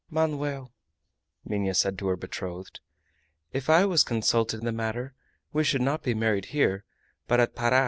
"Manoel," Minha said to her betrothed, "if I was consulted in the matter we should not be married here, but at Para.